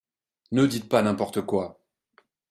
Ne dites pas n’importe quoi